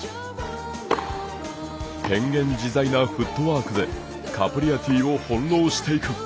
変幻自在なフットワークでカプリアティを翻弄していく。